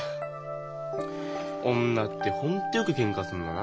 女って本当よくケンカするんだな。